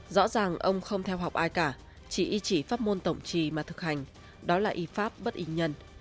rõ ràng ông không theo học ai cả chỉ ý chỉ pháp môn tổng trì mà thực hành đó là y pháp bất ý nhân